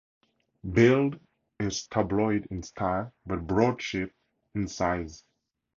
"Bild" is tabloid in style but broadsheet in size.